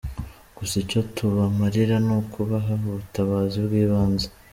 Gusa icyo tubamarira n’ukubaha ubutabazi bw’ibanze.